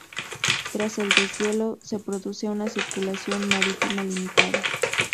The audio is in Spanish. Tras el deshielo, se produce una circulación marítima limitada.